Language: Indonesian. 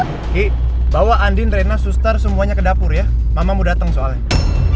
kiki bawa andin reina sustar semuanya ke dapur ya mamamu datang soalnya